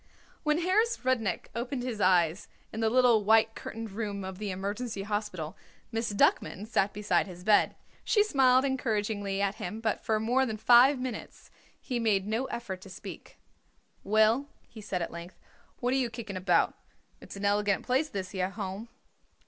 When Harris Rudnik opened his eyes in the little white curtained room of the Emergency Hospital, Miss Duckman sat beside his bed. She smiled encouragingly at him, but for more than five minutes he made no effort to speak. "Well," he said at length, "what are you kicking about? It's an elegant place, this here Home."